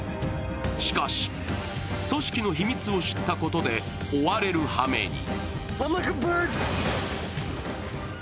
しかし、組織の秘密を知ったことで追われるはめに。